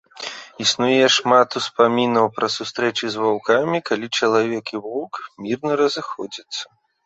Існуе шмат успамінаў пра сустрэчы з ваўкамі, калі чалавек і воўк мірна разыходзяцца.